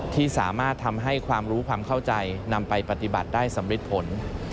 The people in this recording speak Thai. ที่สามารถทำให้ความรู้ความเข้าใจนำไปปฏิบัติได้สำเร็จผล